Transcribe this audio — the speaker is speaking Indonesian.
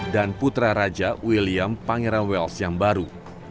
dan putra raja william pangeran wells yang baru